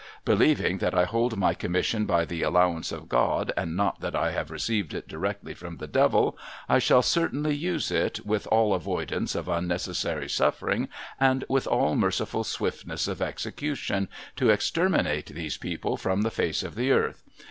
Believing that I hold my commission by the allowance of God, and not that I have received it direct from the Devil, I shall certainly use it, with all avoidance of unnecessary suifering and with all merciful swiftness of execution, to exterminate these people from the face of the earth.